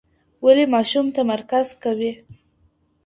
ولي ماشوم تمرکز کوي؟